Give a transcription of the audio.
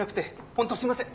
ホントすいません。